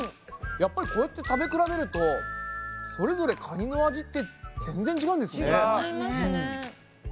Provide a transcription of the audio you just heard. やっぱりこうやって食べ比べるとそれぞれカニの味って全然違うんですね。